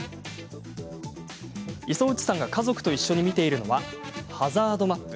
磯打さんが家族と一緒に見ているのはハザードマップ。